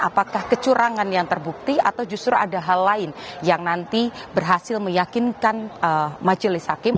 apakah kecurangan yang terbukti atau justru ada hal lain yang nanti berhasil meyakinkan majelis hakim